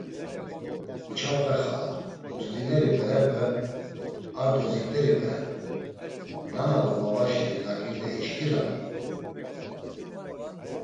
“Uçapxe xala, hust̆ineri berepe, ar do zit̆eri berepe, nana do babaşi laǩirde işǩirani?”